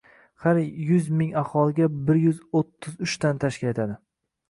Har yuz ming aholiga bir yuz o'ttiz uchtani tashkil etdi.